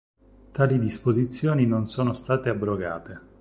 Tali disposizioni non sono state abrogate.